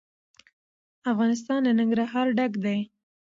افغانستان له ننګرهار ډک دی.